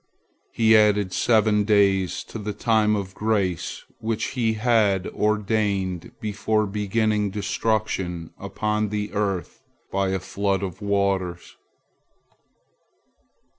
He added seven days to the time of grace which He had ordained before bringing destruction upon the earth by a flood of waters.